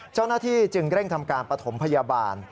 เจ้าหน้าที่จึงเร่งทำการปฐมพยาบาล